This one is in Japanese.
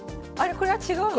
これは違うのか。